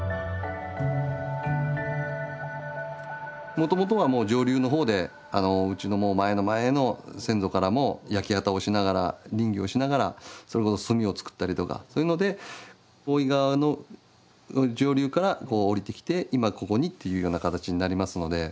もともとは上流の方でうちの前の前の先祖からも焼き畑をしながら林業しながらそれこそ炭を作ったりとかそういうので大井川の上流から下りてきて今ここにっていうような形になりますので。